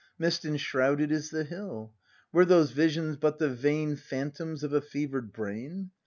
Mist enshrouded is the hill. Were those visions but the vain Phantoms of a fever'd brain